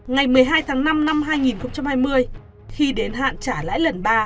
ngày một mươi hai tháng năm năm hai nghìn hai mươi khi đến hạn trả lãi lần ba